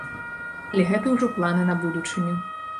Але гэта ўжо планы на будучыню.